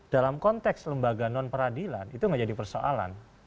dalam konteks lembaga non peradilan itu nggak jadi persoalan